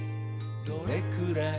「どれくらい？